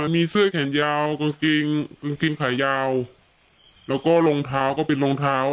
มีเสื้อแขนยาวกางเกงขายาวแล้วก็รองเท้าก็เป็นรองเท้า